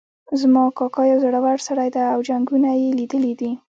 زما کاکا یو زړور سړی ده او جنګونه یې لیدلي دي